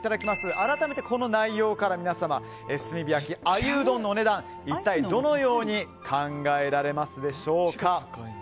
改めて、この内容から皆様、炭火焼鮎うどんのお値段一体どのように考えられますでしょうか。